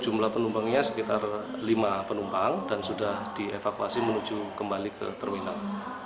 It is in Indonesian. jumlah penumpangnya sekitar lima penumpang dan sudah dievakuasi menuju kembali ke terminal